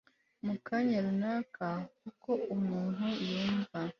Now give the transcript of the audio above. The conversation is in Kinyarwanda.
mu kanya runaka Uko umuntu yumva